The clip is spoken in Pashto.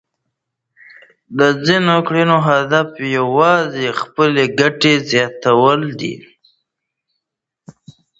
د ځینو کړیو هدف یوازې خپلې ګټې زیاتول دي.